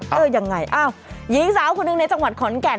เออยังไงอ้าวหญิงสาวคนหนึ่งในจังหวัดขอนแก่น